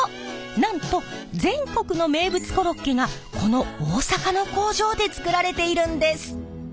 なんと全国の名物コロッケがこの大阪の工場で作られているんです！